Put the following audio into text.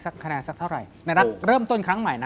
คณะสักเท่าไหร่เริ่มต้นครั้งใหม่นะ